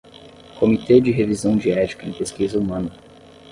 Comitê de Revisão de Ética em Pesquisa Humana